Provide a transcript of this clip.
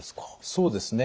そうですね。